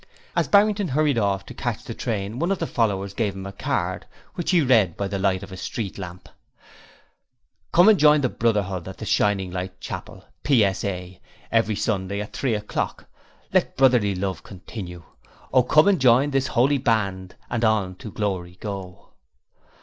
As Barrington hurried off to catch the train one of the 'Followers' gave him a card which he read by the light of a street lamp Come and join the Brotherhood at the Shining Light Chapel PSA Every Sunday at 3 o'clock. Let Brotherly Love Continue. 'Oh come and join this Holy Band and on to Glory go.'